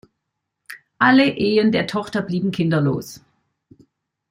Alle Ehen der Tochter blieben kinderlos.